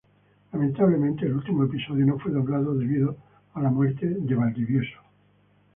Lamentablemente el último episodio no fue doblado debido a la muerte de Valdivieso.